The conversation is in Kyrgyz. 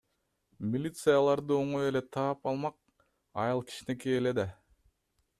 Милиция аларды оңой эле таап алмак, айыл кичинекей эле да.